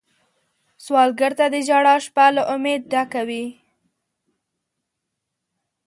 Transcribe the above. سوالګر ته د ژړا شپه له امید ډکه وي